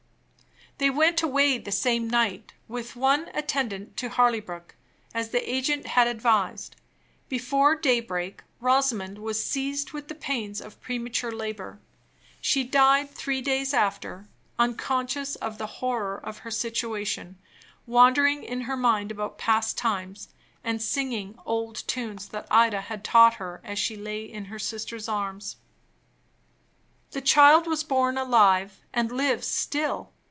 They went away the same night, with one attendant, to Harleybrook, as the agent had advised. Before daybreak Rosamond was seized with the pains of premature labor. She died three days after, unconscious of the horror of her situation, wandering in her mind about past times, and singing old tunes that Ida had taught her as she lay in her sister's arms. The child was born alive, and lives still.